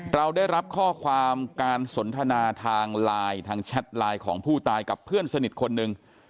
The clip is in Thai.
เราได้รับข้อความการสนทนาทางไลน์ทางแชทไลน์ของผู้ตายกับเพื่อนสนิทคนหนึ่ง